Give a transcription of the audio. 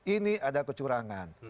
ini ada kecurangan